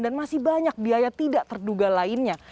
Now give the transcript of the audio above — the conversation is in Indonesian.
dan masih banyak biaya tidak terduga lainnya